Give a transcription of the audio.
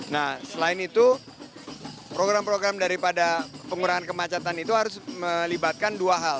nah selain itu program program daripada pengurangan kemacetan itu harus melibatkan dua hal